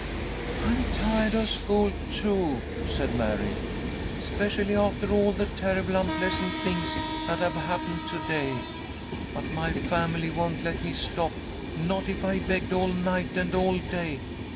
"I'm tired of school, too," said Mary, "specially after all the terrible unpleasant things that have happened to day. But my family won't let me stop, not if I begged all night and all day.